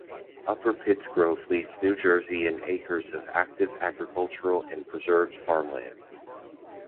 Upper Pittsgrove leads New Jersey in acres of active agriculture and preserved farmland.